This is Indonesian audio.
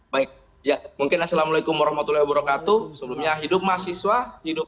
baik ya mungkin assalamualaikum warahmatullahi wabarakatuh sebelumnya hidup mahasiswa hidup